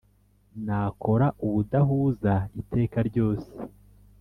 nakora ubudahuza iteka ryose